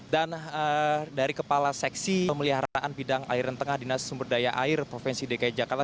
dan dari kepala seksi pemeliharaan bidang aliran tengah dinas sumber daya air provinsi dki jakarta